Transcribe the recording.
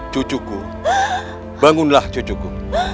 cucuku bangunlah cucuku